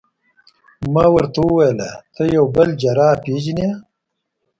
ما ورته وویل: ته یو بل جراح پېژنې؟